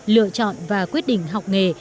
lựa chọn và quyết định học nghề